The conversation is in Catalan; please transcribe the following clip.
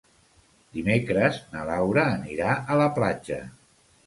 Dimecres na Laura anirà a la platja.